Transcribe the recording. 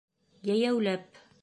Йәйәүләп.